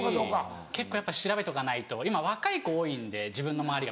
結構やっぱ調べとかないと今若い子多いんで自分の周りが。